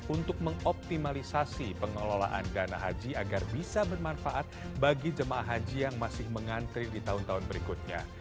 untuk mengoptimalisasi pengelolaan dana haji agar bisa bermanfaat bagi jemaah haji yang masih mengantri di tahun tahun berikutnya